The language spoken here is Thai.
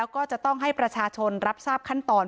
ก็จะต้องให้ประชาชนรับทราบขั้นตอน